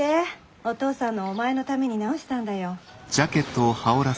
お父さんのお前のために直したんだよ。